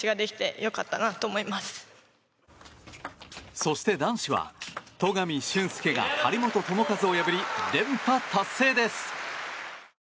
そして、男子は戸上隼輔が張本智和を破り連覇達成です。